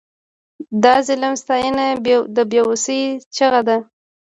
د ظالم ستاینه د بې وسۍ چیغه ده.